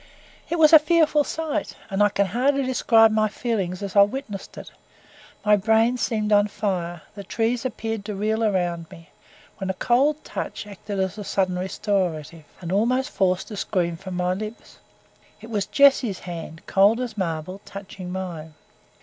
It was a fearful sight, and I can hardly describe my feelings as I witnessed it. My brain seemed on fire, the trees appeared to reel around me, when a cold touch acted as a sudden restorative, and almost forced a scream from my lips. It was Jessie's hand, cold as marble, touching mine.